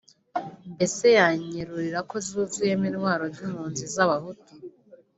mbese yanyeruriye ko zuzuyemo intwaro z’impunzi z’Abahutu